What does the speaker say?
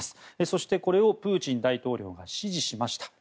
そしてこれをプーチン大統領が支持しました。